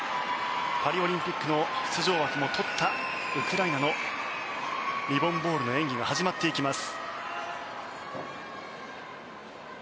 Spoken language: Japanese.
パリオリンピックの出場枠も取ったウクライナのリボン・ボールの演技が始まっていきます。